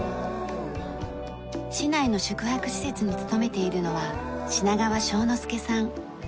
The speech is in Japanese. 市内の宿泊施設に勤めているのは品川正之介さん。